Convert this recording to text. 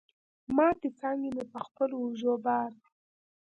ماتي څانګي مي په خپلو اوږو بار دي